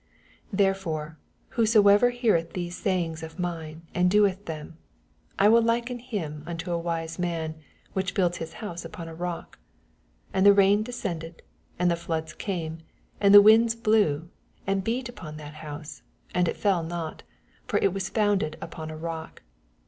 24 Therefore whosoever heareth these sayings of mine, and doeth trhem, I will liken him unto a wise man, which built his house upon a rock: 25 And the rain descended, and the floods came, and the winds blew, and beat upon that house ; and it fell not : for it was founded upon a rock.